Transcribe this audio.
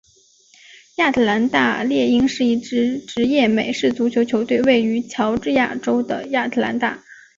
亚特兰大猎鹰是一支职业美式足球球队位于乔治亚州的亚特兰大。